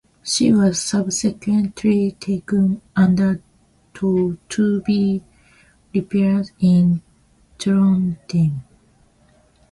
She was subsequently taken under tow to be repaired in Trondheim.